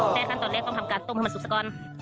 ขั้นตอนแรกต้องทำการต้มให้มันสุกสักก่อน